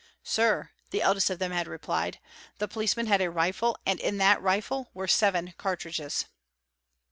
"Sir" the eldest of them had replied, "the policeman had a rifle and in that rifle were seven cartridges."